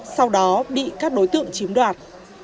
sau đó bị các đối tượng chiếm đoạt